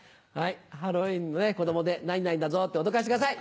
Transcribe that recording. ハロウィーンの子供で「何々だぞ」って脅かしてください。